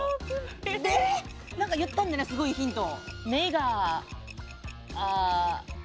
何か言ったんだなすごいヒント。